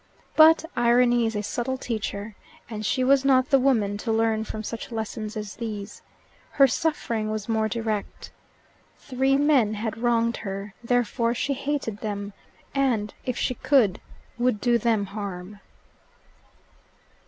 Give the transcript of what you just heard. But irony is a subtle teacher, and she was not the woman to learn from such lessons as these. Her suffering was more direct. Three men had wronged her; therefore she hated them, and, if she could, would do them harm.